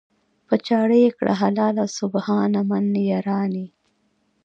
"په چاړه یې کړه حلاله سبحان من یرانی".